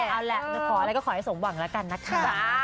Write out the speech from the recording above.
เอาแหละพอแล้วก็ขอให้ส่งหวังละกันนะค่ะ